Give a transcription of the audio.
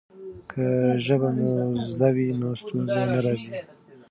که ژبه مو زده وي نو ستونزې نه راځي.